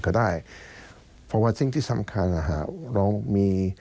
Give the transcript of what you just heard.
แก่ดังนั้นโทษฏหน่อย